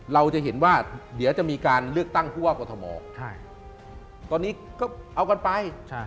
เราจะเห็นว่าเดี๋ยวจะมีการเลือกตั้งผู้ว่ากรทมตอนนี้ก็เอากันไป